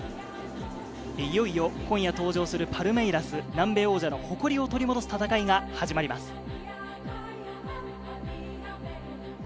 いよいよ今夜登場するパルメイラス、南米王者の誇りを取り戻す戦いが始まります。